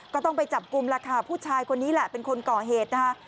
ก็ต้องไปจับกลุ่มล่ะค่ะผู้ชายคนนี้แหละเป็นคนก่อเหตุนะคะ